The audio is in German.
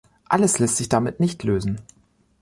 Alles lässt sich damit nicht lösen.